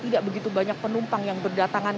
tidak begitu banyak penumpang yang berdatangan